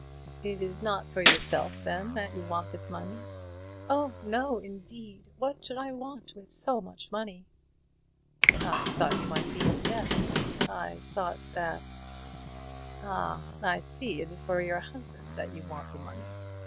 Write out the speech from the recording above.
"It is not for yourself, then, that you want this money?" "Oh no, indeed! What should I want with so much money?" "I thought you might be in debt. I thought that Ah, I see; it is for your husband that you want the money."